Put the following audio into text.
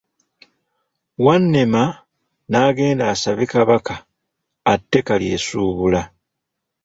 Wannema n’agenda asabe Kabaka atte Kalyesuubula.